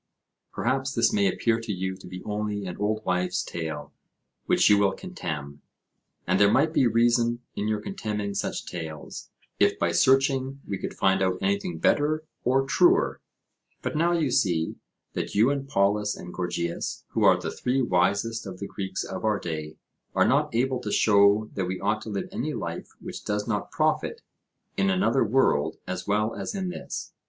Perhaps this may appear to you to be only an old wife's tale, which you will contemn. And there might be reason in your contemning such tales, if by searching we could find out anything better or truer: but now you see that you and Polus and Gorgias, who are the three wisest of the Greeks of our day, are not able to show that we ought to live any life which does not profit in another world as well as in this.